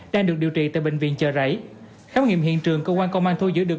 đang được điều trị tại bệnh viện chợ rẫy khám nghiệm hiện trường cơ quan công an thu giữ được